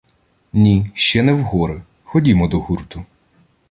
— Ні, ще не в гори. Ходімо до гурту.